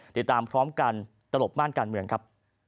ติดตามพร้อมกันตลบม่านการเมืองครับ